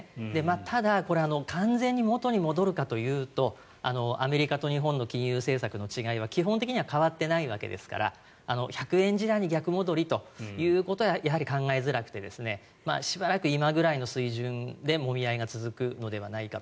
ただ、完全に元に戻るかというとアメリカと日本の金融政策の違いは基本的には変わっていないわけですから１１０円台に逆戻りということは考えにくくてしばらく今ぐらいの水準でもみ合いが続くのではないかと。